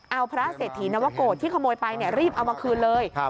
เอาพระเศรษฐีนวโกรธที่ขโมยไปรีบเอามาคืนเลย